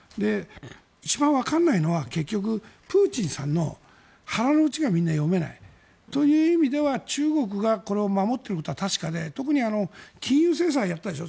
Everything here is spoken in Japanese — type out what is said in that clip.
一番わからないのは結局、プーチンさんの腹のうちがみんな読めないという意味では中国が守っていることは確かで特に、金融制裁をやったでしょ。